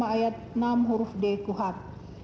ayat enam huruf d kuhap